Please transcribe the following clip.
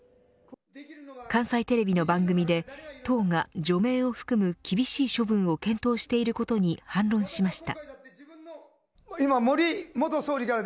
関西テレビの番組で党が除名を含む厳しい処分を検討していることに反論しました。